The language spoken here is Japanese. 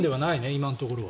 今のところは。